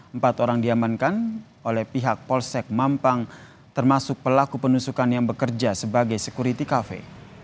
empat orang diamankan oleh pihak polsek mampang termasuk pelaku penusukan yang bekerja sebagai security cafe